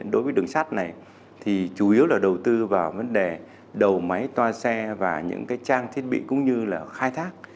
đối với đường sắt này thì chủ yếu là đầu tư vào vấn đề đầu máy toa xe và những trang thiết bị cũng như là khai thác